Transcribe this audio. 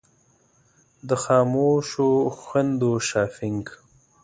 د خاموشو خویندو شاپنګ.